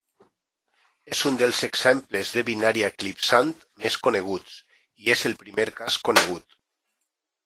És un dels exemples de binària eclipsant més coneguts, i és el primer cas conegut.